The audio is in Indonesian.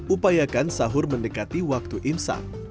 upayakan sahur mendekati waktu imsak